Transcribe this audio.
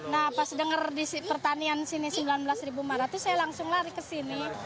nah pas denger di pertanian sini sembilan belas lima ratus saya langsung lari ke sini